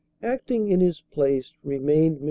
Acting in his place remained MM.